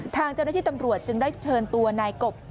ทางเจ้าหน้าที่ตำรวจจึงได้เชิญตัวนายกบ